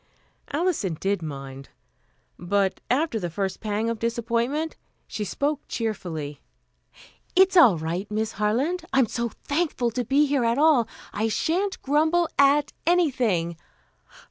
Alison did mind; but after the first pang of disappointment, she spoke cheerfully. "It's all right, Miss Harland. I'm so thankful to be here at all, I shan't grumble at anything.